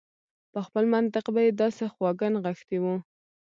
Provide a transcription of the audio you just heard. په خپل منطق به يې داسې خواږه نغښتي و.